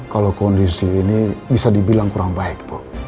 kalau kondisi ini bisa dibilang kurang baik bu